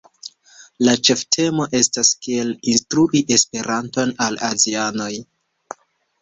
La ĉeftemo estas kiel instrui Esperanton al azianoj.